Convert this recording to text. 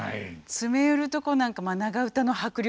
詰め寄るとこなんか体のもう迫力。